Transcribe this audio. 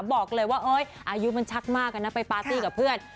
บอกเลยว่าอายุมันชักมากนะไปปาร์ตี้กับเพื่อน